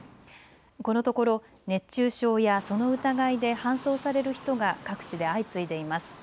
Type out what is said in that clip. このところ熱中症やその疑いで搬送される人が各地で相次いでいます。